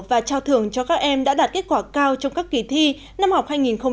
và trao thưởng cho các em đã đạt kết quả cao trong các kỳ thi năm học hai nghìn một mươi tám hai nghìn một mươi chín